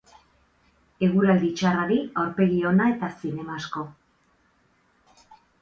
Eguraldi txarrari aurpegi ona eta zinema asko.